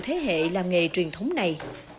từ thế hệ làm nghề truyền thống này